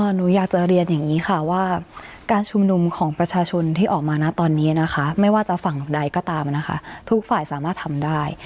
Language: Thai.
หนูอยากจะเรียนอย่างนี้ค่ะว่าการชุมนุมของประชาชนที่ออกมานะตอนนี้นะคะไม่ว่าจะฝั่งใดก็ตามนะคะทุกฝ่ายสามารถทำได้